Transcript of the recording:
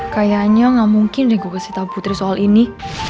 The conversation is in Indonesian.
kayaknya nggak mungkin deh gue kasih tau putri soal ini